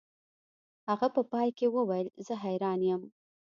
هغه په پای کې وویل زه حیران یم